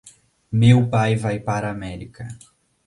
Meu pai vai para a América.